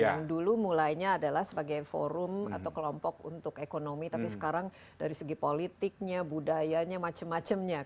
yang dulu mulainya adalah sebagai forum atau kelompok untuk ekonomi tapi sekarang dari segi politiknya budayanya macam macamnya